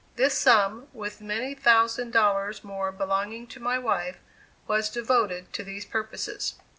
This sum, with many thousand dollars more belonging to my wife, was devoted to these purposes.